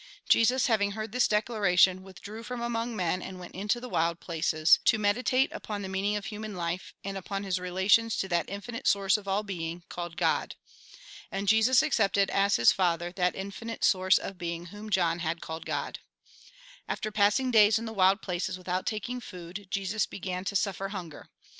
Jesus, having heard this declaration, withdrew from among men and went into the wild places, to meditate upon the meaning of human life, and upon his relations to that infinite source of all being, called God. And Jesus accepted as his Father, that iufinite source of being whom John had called God. 167 l68 THE GOSPEL IN BRIEF After passing days in the wild places without taking food, Jesus began to suffer hunger.